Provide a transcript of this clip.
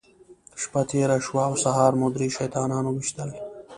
شپه تېره شوه او سهار مو درې شیطانان وويشتل.